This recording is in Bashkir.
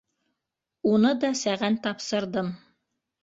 Уны да сәғән тапсырдым.